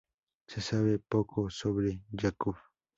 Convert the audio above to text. Se sabe poco sobre Yakub.